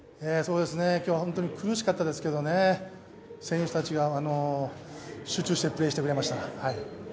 今日は本当に苦しかったですけど、選手たちが集中してプレーしてくれました。